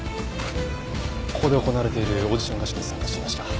ここで行われているオーディション合宿に参加していました。